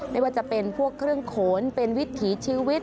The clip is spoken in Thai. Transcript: ไม่ว่าจะเป็นพวกเครื่องโขนเป็นวิถีชีวิต